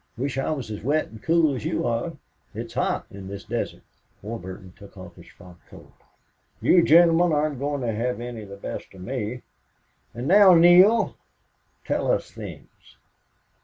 "Wish I was as wet and cool as you are. It's hot in this desert." Warburton took off his frock coat. "You gentlemen aren't going to have any the best of me... And now, Neale, tell us things."